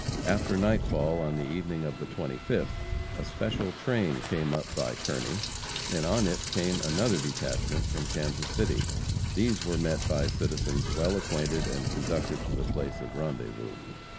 After nightfall on the evening of the 25th, a special train came up by Kearney, and on it came another detachment from Kansas City. These were met by citizens well acquainted, and conducted to the place of rendezvous.